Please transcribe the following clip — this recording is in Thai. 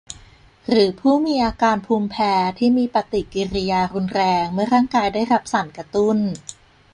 หรือผู้มีอาการภูมิแพ้ที่มีปฏิกิริยารุนแรงเมื่อร่างกายได้รับสารกระตุ้น